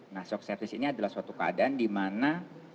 nah shock sepsis ini adalah suatu keadaan dimana